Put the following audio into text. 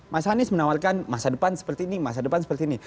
mas anies menawarkan masa depan seperti ini